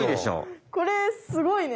これすごいね！